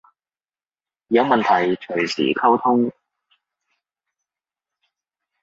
有問題隨時溝通